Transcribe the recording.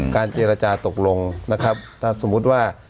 เจรจาตกลงนะครับถ้าสมมุติว่า